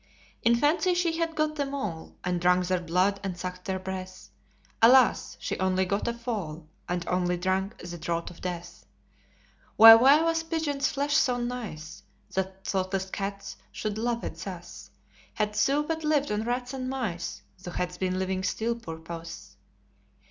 In fancy she had got them all, And drunk their blood and sucked their breath; Alas! she only got a fall, And only drank the draught of death. Why, why was pigeon's flesh so nice, That thoughtless cats should love it thus? Hadst thou but lived on rats and mice, Thou hadst been living still, poor Puss!